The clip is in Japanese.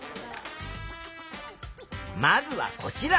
まずはこちら。